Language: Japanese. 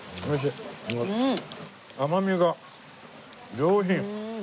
甘みが上品。